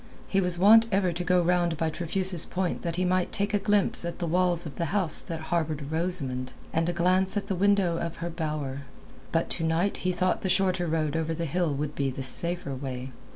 He was wont ever to go round by Trefusis Point that he might take a glimpse at the walls of the house that harboured Rosamund and a glance at the window of her bower. But to night he thought the shorter road over the hill would be the safer way.